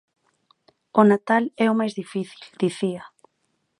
O natal é o máis difícil, dicía.